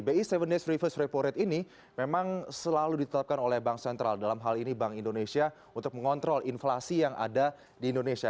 bi tujuh days reverse repo rate ini memang selalu ditetapkan oleh bank sentral dalam hal ini bank indonesia untuk mengontrol inflasi yang ada di indonesia